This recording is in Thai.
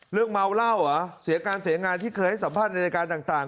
เรื่องเมาเหล้าเสียงานเสียงานที่เคยสัมภาษณ์ในรายการต่าง